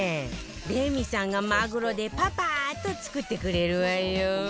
レミさんがマグロでパパッと作ってくれるわよ